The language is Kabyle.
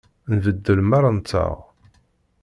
Nbeddel merra-nteɣ.